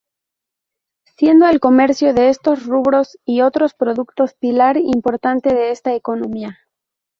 Siendo el comercio de estos rubros y otros productos pilar importante de esta economía.